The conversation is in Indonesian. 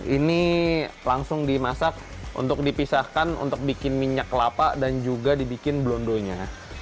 ini langsung dimasak untuk dipisahkan untuk bikin minyak kelapa dan juga dibikin blondonya